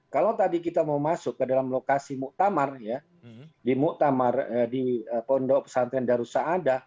kalau tadi kita mau masuk ke dalam lokasi muktamar ya di muktamar di pondok pesantren darussada